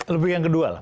lebih yang kedua lah